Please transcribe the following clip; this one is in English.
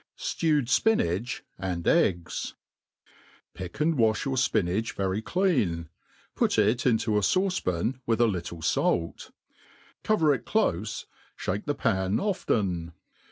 Stewed Spinach and Eggs, PICK and wa(h your fpinach very clean, put it into a fauce pan, with a little fait; cover itclofe, (bake the pan often.